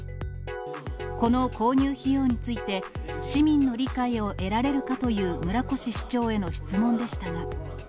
この購入費用について、市民の理解を得られるかという村越市長への質問でしたが。